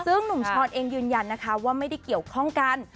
ซึ่งหนุ่มช้อนเองยืนยันนะคะว่าไม่ได้เกี่ยวข้องกัน